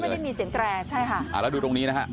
ไม่ได้มีเสียงแตรใช่ค่ะอ่าแล้วดูตรงนี้นะฮะ